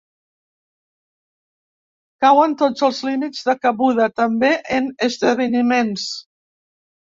Cauen tots els límits de cabuda, també en esdeveniments.